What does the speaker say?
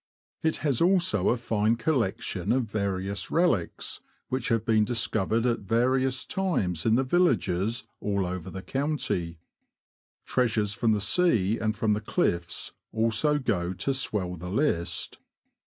It A RAMBLE THROUGH NORWICH. 91 has also a fine collection of various relics which have been discovered at various times in the villages all over the county. Treasures from the sea and from the cliffs also go to swell the list.